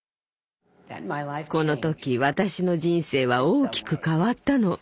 この時私の人生は大きく変わったの。